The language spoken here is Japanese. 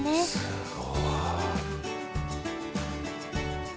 すごい。